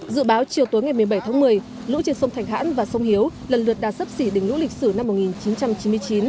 dự báo chiều tối ngày một mươi bảy tháng một mươi lũ trên sông thành hãn và sông hiếu lần lượt đạt sấp xỉ đỉnh lũ lịch sử năm một nghìn chín trăm chín mươi chín